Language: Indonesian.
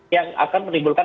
yang akan menimbulkan